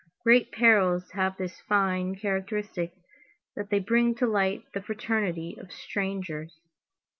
Great perils have this fine characteristic, that they bring to light the fraternity of strangers.